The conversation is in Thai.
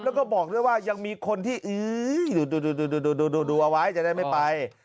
แล้วก็บอกด้วยว่ายังมีคนที่ดูเอาไว้จะได้ไม่ไป